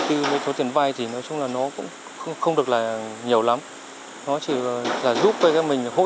tư với số tiền vay thì nói chung là nó cũng không được là nhiều lắm nó chỉ là giúp với các mình hỗ